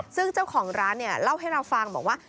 ซึ่งเจ้าของร้านเนี่ยเล่าให้เราฟังบอกว่า